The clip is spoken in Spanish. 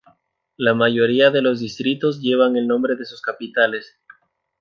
La mayoría de los distritos llevan el nombre de sus capitales.